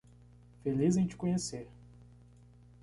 Feliz em te conhecer.